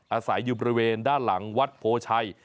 อาศัยอยู่บริเวณด้านหลังวัดโพชัย